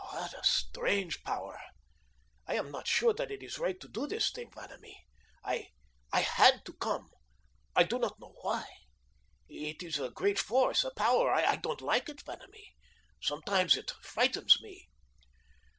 What a strange power! I am not sure that it is right to do this thing, Vanamee. I I HAD to come. I do not know why. It is a great force a power I don't like it. Vanamee, sometimes it frightens me."